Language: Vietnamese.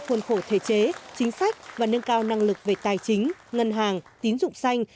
khuôn khổ thể chế chính sách và nâng cao năng lực về tài chính ngân hàng tín dụng xanh